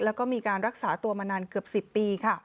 แล้วก็มีการรักษาตัวมานานเกือบ๑๐ปีค่ะ